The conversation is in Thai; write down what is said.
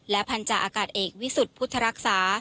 พันธาอากาศเอกวิสุทธิ์พุทธรักษา